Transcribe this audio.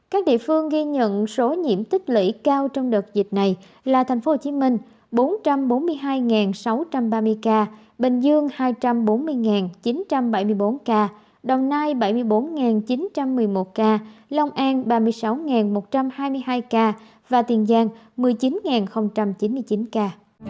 các địa phương ghi nhận số nhiễm tích lĩ cao trong đợt dịch này là thành phố hồ chí minh bốn trăm bốn mươi hai sáu trăm ba mươi ca bình dương hai trăm bốn mươi chín trăm bảy mươi bốn ca đồng nai bảy mươi bốn chín trăm một mươi một ca lòng an ba mươi sáu một trăm hai mươi hai ca và tiền giang một mươi chín chín mươi chín ca